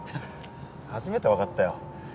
初めて分かったよ